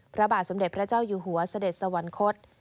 พระบาทสมเด็จพระเจ้าอยู่หัวเสด็จสวรรคต